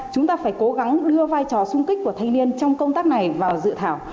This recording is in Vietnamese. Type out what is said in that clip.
chúng ta phải cố gắng đưa vai trò sung kích của thanh niên trong công tác này vào dự thảo